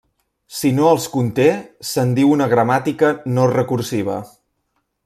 Si no els conté, se'n diu una gramàtica no recursiva.